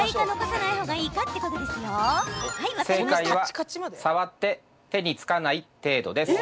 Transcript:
正解は触って手につかない程度です。